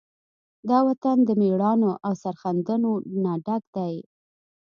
دا وطن د مېړانو، او سرښندنو نه ډک دی.